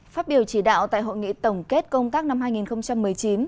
phát biểu chỉ đạo tại hội nghị tổng kết công tác năm hai nghìn một mươi chín